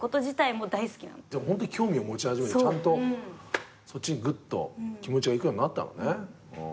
ホントに興味を持ち始めてちゃんとそっちにぐっと気持ちがいくようになったのね。